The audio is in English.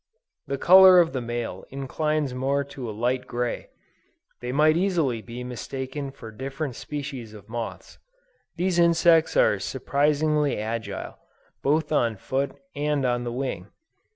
The color of the male inclines more to a light gray; they might easily be mistaken for different species of moths. These insects are surprisingly agile, both on foot and on the wing.